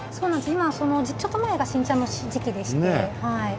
今ちょっと前が新茶の時期でして。